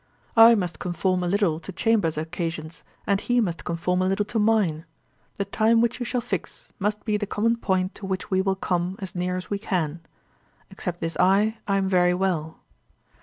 I must conform a little to Chambers's occasions, and he must conform a little to mine. The time which you shall fix, must be the common point to which we will come as near as we can. Except this eye, I am very well.